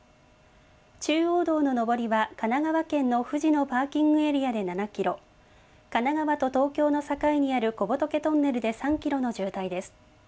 中央道の上りは神奈川県の藤野パーキングエリアで７キロ、神奈川と東京の境にある小仏トンネルで３キロの渋滞です。